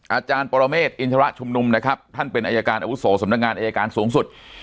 อาจารย์ปรเมฆอินทรชุมนุมนะครับท่านเป็นอายการอาวุโสสำนักงานอายการสูงสุด